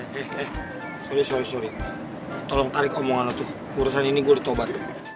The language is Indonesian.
eh eh sorry sorry sorry tolong tarik omongan lo tuh urusan ini gue udah tobat